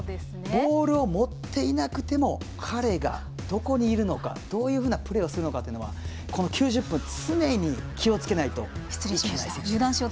ボールを持っていなくても彼がどこにいるのかどういうふうなプレーをするのかというのは９０分、常に気をつけないといけない選手です。